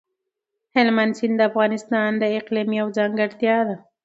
هلمند سیند د افغانستان د اقلیم یوه ځانګړتیا ده.